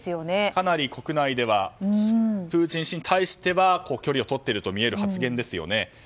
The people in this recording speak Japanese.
かなり国内ではプーチン氏に対しては距離をとっているとみえる発言ですよね。